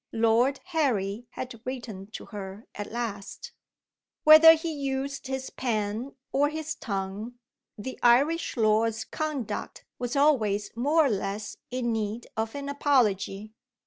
Lord Harry had written to her at last. Whether he used his pen or his tongue, the Irish lord's conduct was always more or less in need of an apology.